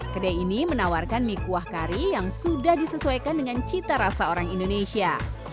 kedai ini menawarkan mie kuah kari yang sudah disesuaikan dengan cita rasa orang indonesia